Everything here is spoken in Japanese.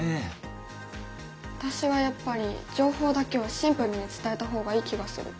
私はやっぱり情報だけをシンプルに伝えた方がいい気がする。